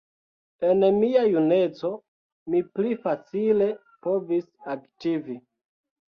En mia juneco mi pli facile povis aktivi.